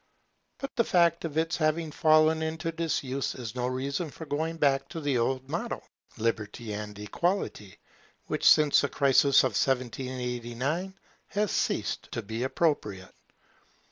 But the fact of its having fallen into disuse is no reason for going back to the old motto, Liberty and Equality, which, since the crisis of 1789, has ceased to be appropriate.